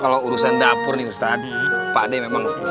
kalau urusan dapur nih tadi pakde memang